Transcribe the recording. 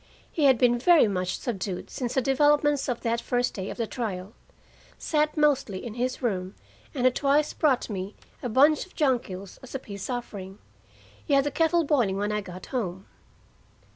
He had been very much subdued since the developments of that first day of the trial, sat mostly in his own room, and had twice brought me a bunch of jonquils as a peace offering. He had the kettle boiling when I got home.